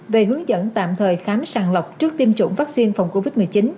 về hướng dẫn tạm thời khám sàng lọc trước tiêm chủng vaccine phòng covid một mươi chín